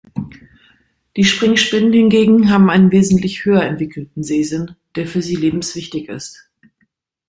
Die Springspinnen hingegen haben einen wesentlich höher entwickelten Sehsinn, der für sie lebenswichtig ist.